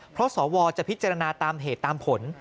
เพราะสวจะพิจารณาตามเหตุตามผล